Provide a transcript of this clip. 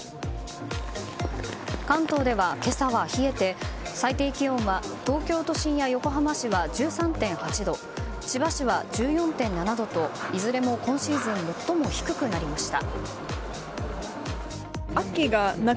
関東では今朝は冷えて最低気温は東京都心や横浜市は１３．８度千葉市は１４．７度といずれも今シーズン最も低くなりました。